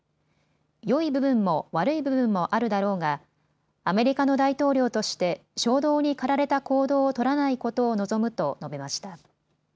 よい部分も悪い部分もあるだろうがアメリカの大統領として衝動に駆られた行動を取らないことを望むと述べました。